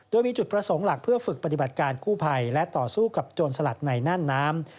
โดยมีจุดประสงค์หลักเพื่อฝึกปฏิบัติการกู้ภัยและต่อสู้กับโจรสลัดในน่านน้ำ